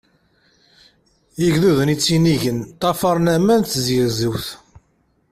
Igduden yettinigen ṭṭafaṛen aman d tzegzewt.